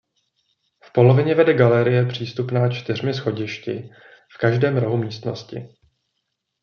V polovině vede galerie přístupná čtyřmi schodišti v každém rohu místnosti.